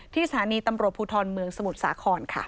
สถานีตำรวจภูทรเมืองสมุทรสาครค่ะ